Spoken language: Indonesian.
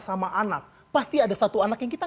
sama anak pasti ada satu anak yang kita